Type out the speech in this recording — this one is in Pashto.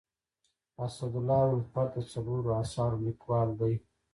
اسدالله الفت د څلورو اثارو لیکوال دی.